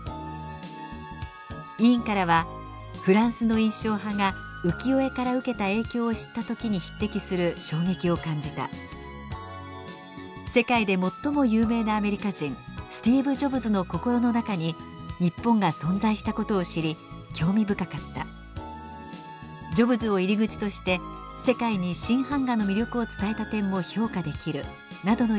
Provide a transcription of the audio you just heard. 委員からは「フランスの印象派が浮世絵から受けた影響を知った時に匹敵する衝撃を感じた」「世界で最も有名なアメリカ人スティーブ・ジョブズの心の中に日本が存在したことを知り興味深かった」「ジョブズを入り口として世界に新版画の魅力を伝えた点も評価できる」などの意見がありました。